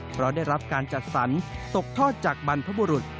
เพราะได้รับการจัดสรรตกทอดจากบรรพบุรุษ